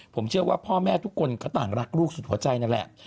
ผมเชื่อว่าพ่อแม่ทุกคนก็ต่างรักลูกสุดหัวใจนั่นแหละ